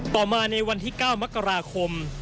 ต่อมาในวันที่๙มกราคม